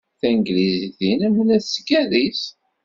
Tanglizit-nnem la tettgerriz.